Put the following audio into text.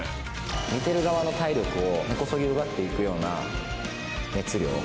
見てる側の体力を根こそぎ奪っていくような熱量。